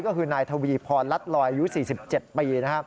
ก็คือนายทวีพรรัฐลอยอายุ๔๗ปี